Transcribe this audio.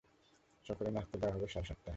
সকালের নাশতা দেওয়া হবে সাড়ে সাতটায়।